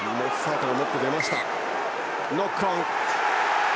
ノックオン。